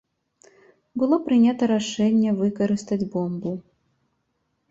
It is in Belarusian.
Было прынята рашэнне выкарыстаць бомбу.